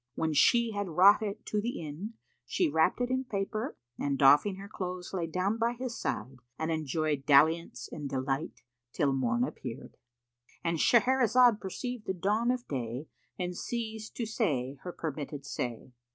When she had wrought it to end, she wrapped it in paper and doffing her clothes, lay down by his side and enjoyed dalliance and delight till morn appeared.—And Shahrazad perceived the dawn of day and ceased to say her permitted say.